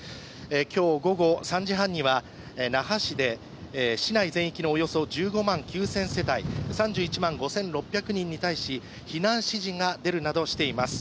今日午後３時半には那覇市で市内全域のおよそ１５万９０００世帯、３１万５６００人に対し、避難指示が出るなどしています。